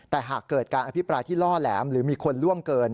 แต่หากเกิดการอภิปรายที่ล่อแหลมหรือมีคนล่วงเกิน